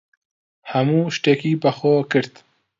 هەموو شتێکی بەخۆ کرد.